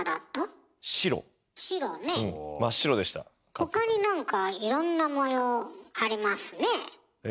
他に何かいろんな模様ありますねえ？え？